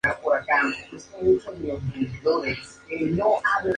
Durante la Tercera Guerra Carlista estuvo varias veces en España con su padre.